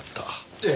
ええ。